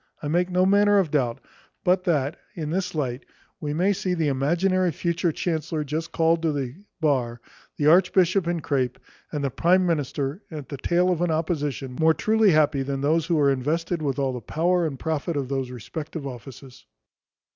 I make no manner of doubt but that, in this light, we may see the imaginary future chancellor just called to the bar, the archbishop in crape, and the prime minister at the tail of an opposition, more truly happy than those who are invested with all the power and profit of those respective offices.